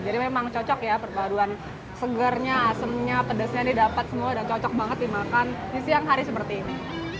jadi memang cocok ya perpaduan segernya asemnya pedesnya ini dapat semua dan cocok banget dimakan di siang hari seperti ini